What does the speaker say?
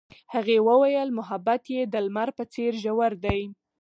هغې وویل محبت یې د لمر په څېر ژور دی.